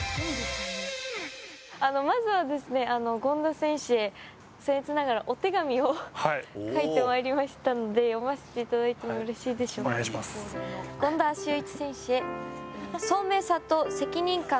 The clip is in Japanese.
まずは権田選手へせん越ながらお手紙を書いてまいりましたので読ませていただいてもよろしいでしょうか？